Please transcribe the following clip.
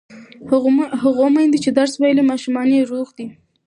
هغه میندو چې درس ویلی، ماشومان یې روغ دي.